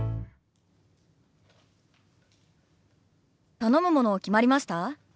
頼むもの決まりました？